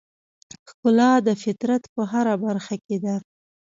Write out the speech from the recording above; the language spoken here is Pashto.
ښکلا د فطرت په هره برخه کې ده.